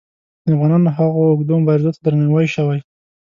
د افغانانو هغو اوږدو مبارزو ته درناوی شوی.